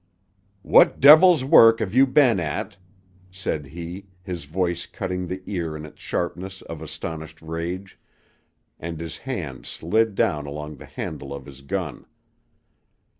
"What devil's work have you been at?" said he, his voice cutting the ear in its sharpness of astonished rage, and his hand slid down along the handle of his gun.